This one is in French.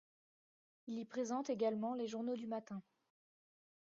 Il y présente également les journaux du matin.